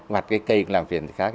mặt cái cây cũng làm phiền người khác